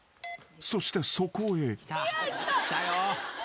［そしてそこへ］